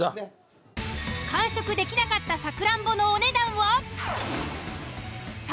完食できなかったサクランボのお値段は？